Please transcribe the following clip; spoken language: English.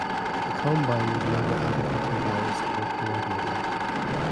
The combine was never adequately balanced or co-ordinated.